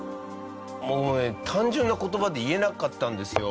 もうね単純な言葉で言えなかったんですよ。